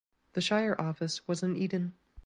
The shire office was in Eden.